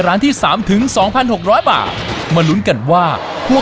เร็ว